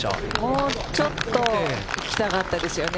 もうちょっといきたかったですよね